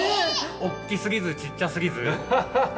おっきすぎずちっちゃすぎず。